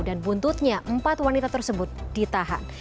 dan buntutnya empat wanita tersebut ditahan